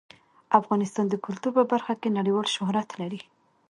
افغانستان د کلتور په برخه کې نړیوال شهرت لري.